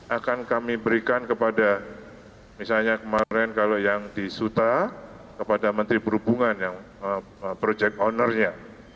akan kami berikan kepada misalnya kemarin kalau yang disuta kepada menteri perhubungan yang project ownernya